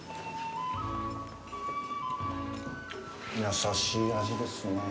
優しい味ですね。